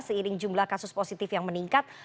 seiring jumlah kasus positif yang meningkat